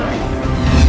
api semacam api